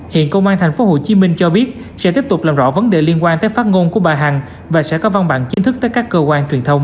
hiện công an tp hcm cho biết sẽ tiếp tục làm rõ vấn đề liên quan tới phát ngôn của bà hằng và sẽ có văn bản chính thức tới các cơ quan truyền thông